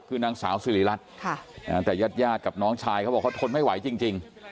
คือนางสาวสิริรัตน์แต่ญาติกับน้องชายเขาบอกเขาทนไม่ไหวจริง